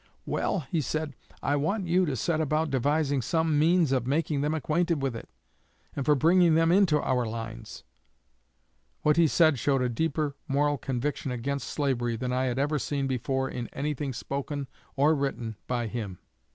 'Well,' he said, 'I want you to set about devising some means of making them acquainted with it, and for bringing them into our lines.' What he said showed a deeper moral conviction against slavery than I had ever seen before in anything spoken or written by him.